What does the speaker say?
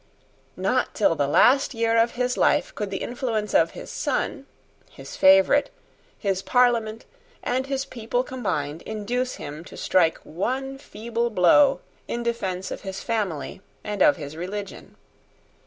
Not till the last year of his life could the influence of his son, his favourite, his Parliament, and his people combined, induce him to strike one feeble blow in defence of his family and of his religion.